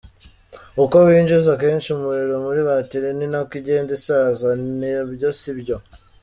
Uko winjiza kenshi umuriro muri batiri ni nako igenda isaza : Na byo si byo.